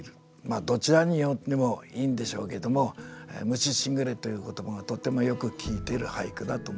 どちらに読んでもいいんでしょうけども「虫時雨」という言葉がとてもよく効いている俳句だと思います。